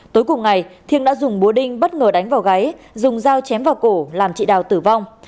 tối cùng ngày thiên đã dùng búa đinh bất ngờ đánh vào gáy dùng dao chém vào cổ làm chị đào tử vong